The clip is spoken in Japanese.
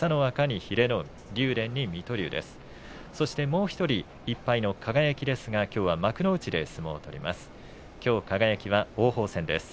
もう１人、１敗の輝ですがきょうは幕内で相撲を取ります。